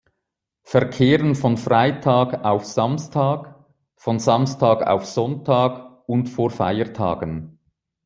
Verkehren von Freitag auf Samstag, von Samstag auf Sonntag und vor Feiertagen.